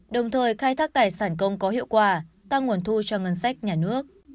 đồng thời khai thác tài sản công có hiệu quả tăng nguồn thu cho ngân sách nhà nước